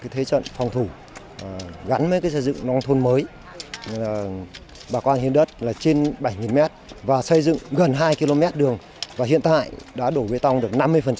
thế trận phòng thủ gắn với xây dựng nông thôn mới bà con hiến đất là trên bảy m và xây dựng gần hai km đường và hiện tại đã đổ bê tông được năm mươi